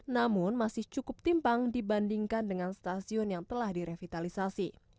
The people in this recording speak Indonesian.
namun masih cukup timpang dibandingkan dengan stasiun yang telah direvitalisasi